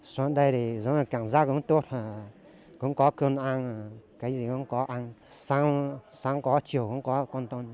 hôm nay cảm giác cũng tốt cũng có cơm ăn cái gì cũng có ăn sáng có chiều cũng có con tôn